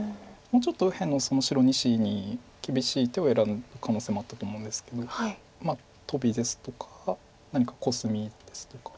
もうちょっと右辺の白２子に厳しい手を選ぶ可能性もあったと思うんですけどトビですとか何かコスミですとか。